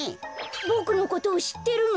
ボクのことをしってるの？